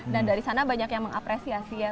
dan dari sana banyak yang mengapresiasi ya